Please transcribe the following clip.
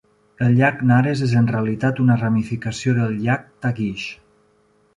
El llac Nares és en realitat una ramificació del llac Tagish.